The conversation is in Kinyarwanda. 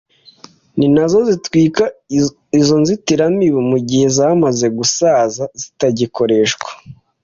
ni na zo zitwika izo nzitiramibu mu gihe zamaze gusaza zitagikoreshwa.